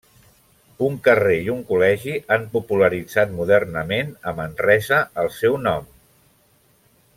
Un carrer i un col·legi han popularitzat modernament, a Manresa, el seu nom.